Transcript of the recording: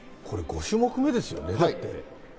５種目目ですよね。